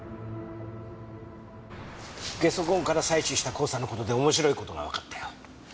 ゲソ痕から採取した黄砂の事で面白い事がわかったよ。